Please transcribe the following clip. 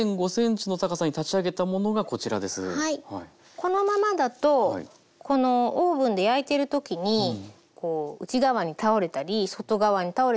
このままだとオーブンで焼いてる時にこう内側に倒れたり外側に倒れたりしやすいので。